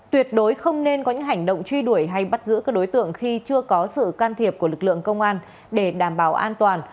tuyệt đối không nên có những hành động truy đuổi hay bắt giữ các đối tượng khi chưa có sự can thiệp của lực lượng công an để đảm bảo an toàn